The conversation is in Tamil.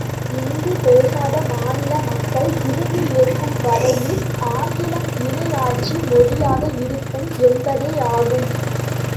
இந்தி பேசாத மாநில மக்கள் விரும்பி ஏற்கும் வரையில் ஆங்கிலம் இணை ஆட்சி மொழியாக இருக்கும் என்பதேயாகும்.